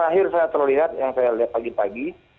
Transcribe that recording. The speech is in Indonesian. terakhir saya terlihat yang saya lihat pagi pagi